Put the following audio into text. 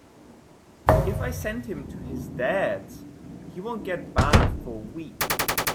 If I send him to his Dad’s he won’t get bathed for a week.